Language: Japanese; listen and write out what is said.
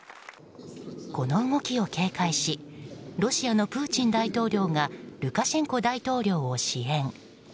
この動きを警戒しロシアのプーチン大統領がルカシェンコ大統領を支援。